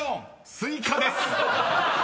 ［スイカです］